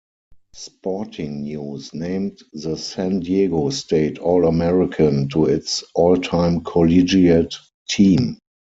Sporting News named the San Diego State All-American to its All-Time collegiate team.